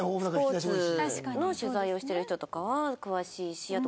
スポーツの取材をしてる人とかは詳しいし